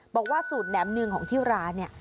บอกว่าสูตรแหนมหนึ่งของที่ร้านเนี่ย